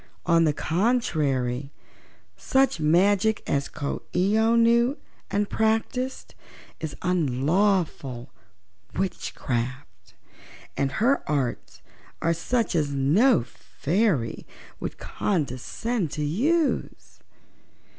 On the contrary, such magic as Coo ee oh knew and practiced is unlawful witchcraft and her arts are such as no fairy would condescend to use.